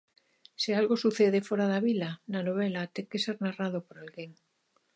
Se algo sucede fóra da vila, na novela ten que ser narrado por alguén.